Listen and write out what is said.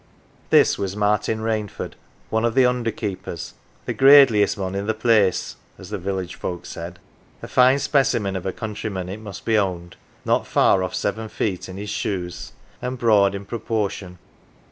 This was Martin Rainford, one of the under keepers, "the gradeliest mon i' th 1 place,"" as the village folk said. A fine specimen of a country man it must be owned, not far off seven feet in his shoes, and broad in proportion.